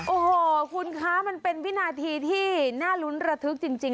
โอ้โหคุณคะมันเป็นวินาทีที่น่ารุ้นระทึกจริง